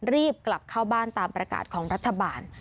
รีบกลับเข้าบ้านตามประกาศของรัฐบาล